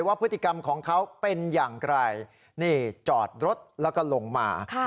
ว่าพฤติกรรมของเขาเป็นอย่างไรนี่จอดรถแล้วก็ลงมา